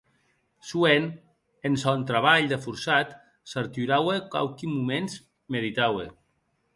Soent en sòn trabalh de forçat s’arturaue quauqui moments; meditaue.